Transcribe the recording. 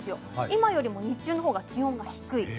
今よりも日中のほうが気温が低い。